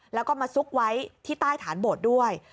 แล้วก็มาซุกไว้ที่ใต้ฐานโบสถ์ด้วย